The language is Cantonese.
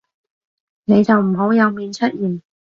你就唔好有面出現